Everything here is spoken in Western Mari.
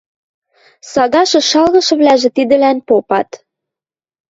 Сагашы шалгышывлӓжӹ тидӹлӓн попат: